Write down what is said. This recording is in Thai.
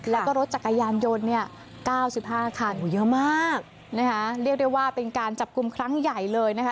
แล้วก็รถจักรยานยนต์เนี่ย๙๕คันเยอะมากนะคะเรียกได้ว่าเป็นการจับกลุ่มครั้งใหญ่เลยนะคะ